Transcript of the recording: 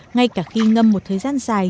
ngay cả khi ngâm một thời gian dài